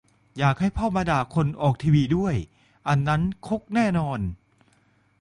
อย่าให้พ่อมาด่าคนออกทีวีด้วย อันนั้นคุกแน่นอน